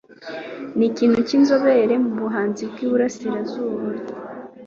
Ni ikintu cyinzobere mubuhanzi bwiburasirazuba.